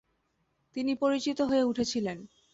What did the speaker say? তিনি পরিচিত হয়ে উঠেছিলেন।